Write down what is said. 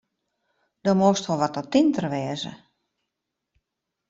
Do mochtst wol wat attinter wêze.